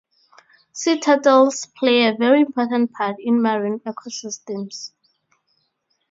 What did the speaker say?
Sea turtles play a very important part in marine ecosystems.